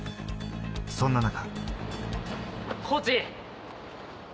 そんな中。